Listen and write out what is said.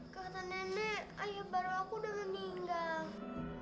kata nenek ayah baru aku udah meninggal